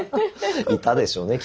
いたでしょうね